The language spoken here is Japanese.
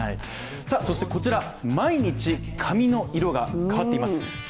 そしてこちら、毎日髪の色が変わっています。